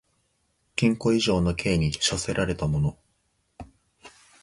禁錮以上の刑に処せられた者